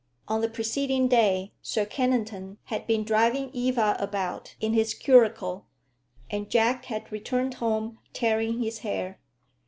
On the preceding day Sir Kennington had been driving Eva about in his curricle, and Jack had returned home tearing his hair.